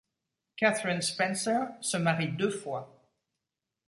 Katherine Spencer se marie deux fois.